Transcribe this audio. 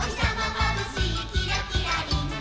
まぶしいキラキラリンリン！」